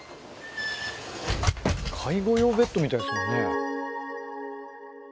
介護用ベッドみたいですもんね。